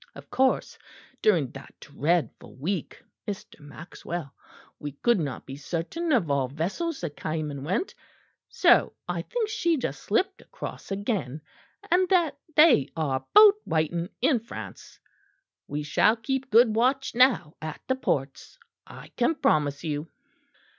Of course during that dreadful week, Mr. Maxwell, we could not be certain of all vessels that came and went; so I think she just slipped across again; and that they are both waiting in France. We shall keep good watch now at the ports, I can promise you."